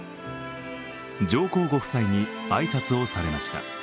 上皇ご夫妻に挨拶をされました。